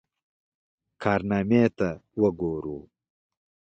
کارنامې ته وګورو.